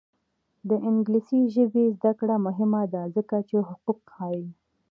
د انګلیسي ژبې زده کړه مهمه ده ځکه چې حقوق ښيي.